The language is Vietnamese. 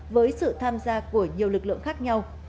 với sự tham gia của nhiều lực lượng khác nhau